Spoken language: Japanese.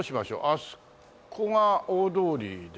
あそこが大通りですよね。